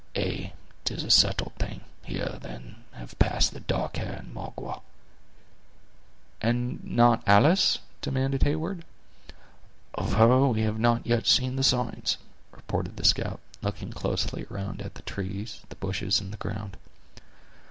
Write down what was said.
"Ay, 'tis a settled thing; here, then, have passed the dark hair and Magua." "And not Alice?" demanded Heyward. "Of her we have not yet seen the signs," returned the scout, looking closely around at the trees, the bushes and the ground.